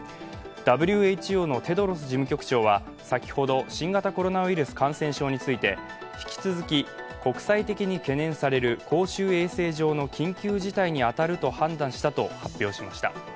ＷＨＯのテドロス事務局長は先ほど、新型コロナウイルス感染症について引き続き国際的に懸念される公衆衛生上の緊急事態に当たると判断したと発表しました。